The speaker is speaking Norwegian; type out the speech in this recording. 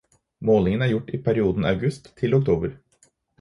Målingen er gjort i perioden august til oktober.